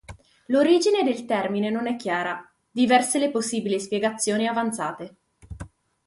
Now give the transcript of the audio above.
L'origine del termine non è chiara: diverse le possibili spiegazioni avanzate.